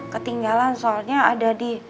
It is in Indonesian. ketinggalan soalnya ada di